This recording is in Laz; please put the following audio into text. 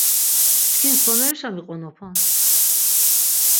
Çkin somerişa miqonopan?